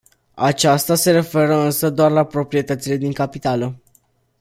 Acesta se referă însă doar la proprietățile din capitală.